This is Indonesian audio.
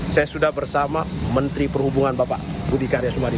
saya sudah bersama menteri perhubungan bapak budi karya sumadi